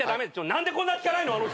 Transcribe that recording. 何でこんな聞かないの？